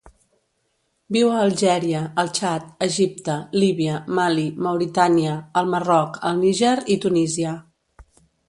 Viu a Algèria, el Txad, Egipte, Líbia, Mali, Mauritània, el Marroc, el Níger i Tunísia.